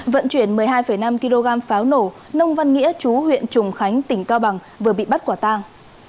vận chuyển một mươi hai năm kg pháo nổ nông văn nghĩa chú huyện trùng khánh tỉnh cao bằng vừa bị bắt quả tang